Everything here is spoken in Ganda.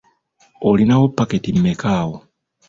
Olinawo paketi mmeka awo?